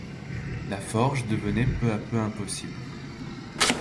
La forge devenait peu à peu impossible.